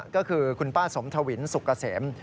ก็คือคุณป้าสมทวินสุกเกษม